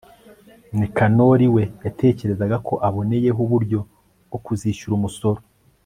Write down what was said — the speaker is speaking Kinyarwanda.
nikanori we, yatekerezaga ko aboneyeho uburyo bwo kuzishyura umusoro